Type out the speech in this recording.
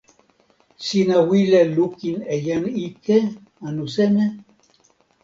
sina wile lukin e jan ike, anu seme?